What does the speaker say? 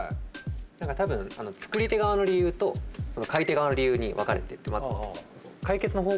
多分作り手側の理由と買い手側の理由に分かれてますよね。